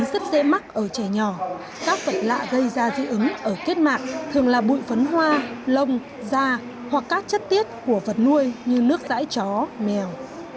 rất dễ mắc ở trẻ nhỏ các vật lạ gây ra dị ứng ở kết mạng thường là bụi phấn hoa lông da hoặc các chất tiết của vật nuôi như nước giãi chó mèo